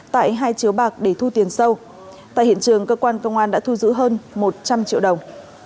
tại hai chiếu bạc để thu tiền sâu tại hiện trường cơ quan công an đã thu giữ hơn một trăm linh triệu đồng